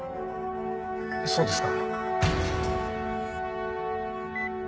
そうですか。